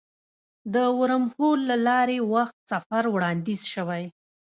د ورم هول له لارې وخت سفر وړاندیز شوی.